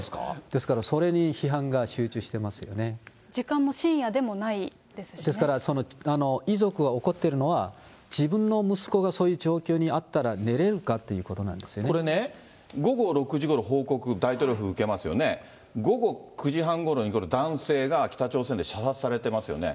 ですからそれに批判が集中し時間も深夜でもないですもんですから、遺族が怒ってるのは、自分の息子がそういう状況にあったら寝れるかっていうことなこれね、午後６時ごろ、報告、大統領府受けますよね、午後９時半ごろに、男性が北朝鮮で射殺されてますよね。